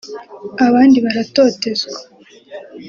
abandi baratotezwa